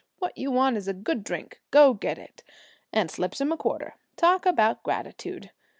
What you want is a good drink go get it," and slips him a quarter. Talk about gratitude!